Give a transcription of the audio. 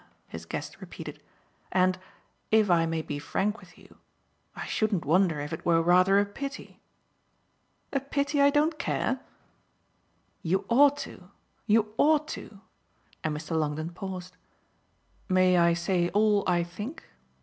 his guest repeated, "and if I may be frank with you I shouldn't wonder if it were rather a pity." "A pity I don't care?" "You ought to, you ought to." And Mr. Longdon paused. "May I say all I think?"